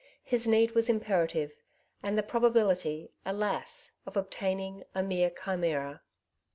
His need ivas imperative, and the probability, alas 1 of obtain ing, a mere chimera.